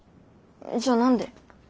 じゃ何で？